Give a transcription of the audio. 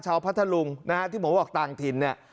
พัทธลุงนะฮะที่ผมบอกต่างถิ่นเนี่ย